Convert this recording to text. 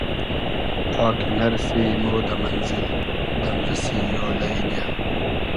تا کی نئرسی مۉ دۂ مئنزیل دئمریسی اۉلݷ نییۂ